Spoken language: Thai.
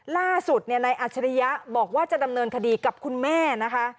ล่าสุดนายอัจฉริยะบอกว่าจะดำเนินคดีกับคุณแม่นะคะ